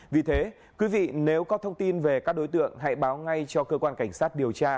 vì thế quý vị nếu có thông tin về các đối tượng hãy báo ngay cho cơ quan cảnh sát điều tra